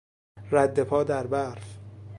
ردپا در برف